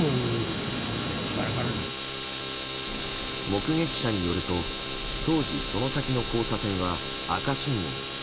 目撃者によると当時その先の交差点は赤信号。